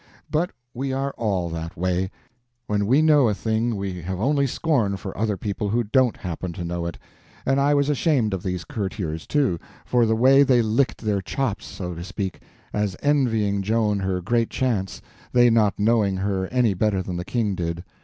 But we are all that way: when we know a thing we have only scorn for other people who don't happen to know it. And I was ashamed of these courtiers, too, for the way they licked their chops, so to speak, as envying Joan her great chance, they not knowing her any better than the King did.